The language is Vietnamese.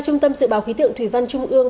dự báo khí tượng thủy văn trung ương